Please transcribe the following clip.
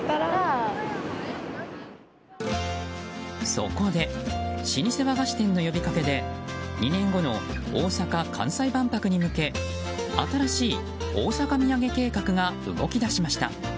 そこで老舗和菓子店の呼びかけで２年後の大阪・関西万博に向け新しい大阪土産計画が動き出しました。